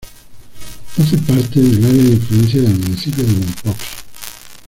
Hace parte del área de influencia del municipio de Mompox.